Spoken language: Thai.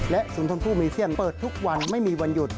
และศูนย์ทนผู้มีเซียนเปิดทุกวันไม่มีวันหยุด